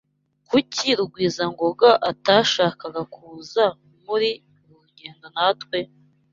Kuki Rugwizangoga atashakaga kuza muri uru rugendo natwe?